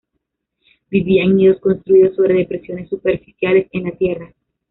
Vivía en nidos construidos sobre depresiones superficiales en la tierra.